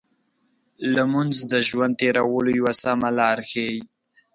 لمونځ د ژوند تېرولو یو سمه لار ښيي.